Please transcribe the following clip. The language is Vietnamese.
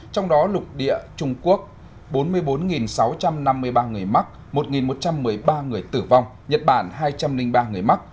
trong đó lục địa trung quốc bốn mươi bốn sáu trăm năm mươi ba người mắc một một trăm một mươi ba người tử vong nhật bản hai trăm linh ba người mắc